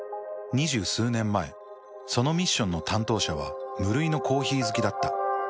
２０数年前そのミッションの担当者は無類のコーヒー好きだった。